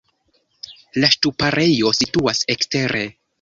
La ŝtuparejo situas ekstere.